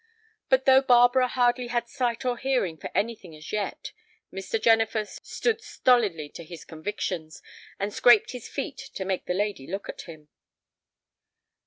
But though Barbara hardly had sight or hearing for anything as yet, Mr. Jennifer stood stolidly to his convictions, and scraped his feet to make the lady look at him.